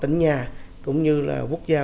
tỉnh nhà cũng như là quốc gia